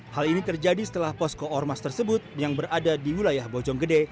hal ini terjadi setelah posko ormas tersebut yang berada di wilayah bojonggede